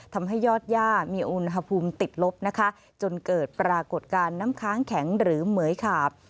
ทำให้ยอดย่ามีอุณหภูมิติดลบนะคะจนเกิดปรากฏการณ์น้ำค้างแข็งหรือเหมือยขาบ